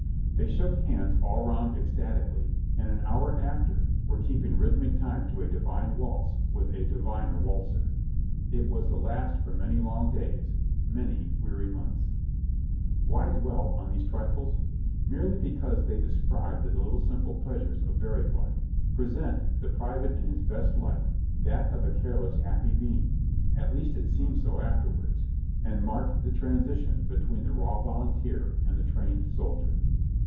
They shook hands all round ecstatically, and an hour after were keeping rhythmic time to a divine waltz with a diviner waltzer ; it was the last for many long days — many weary months. Why dwell on these trifles? Merely because they describe the little simple pleasures of barrack life, present the private in his best light, that of a careless, happy being (at least it seemed so afterwards), and marked the transition between the raw volunteer and the trained soldier.